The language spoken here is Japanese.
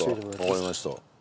わかりました。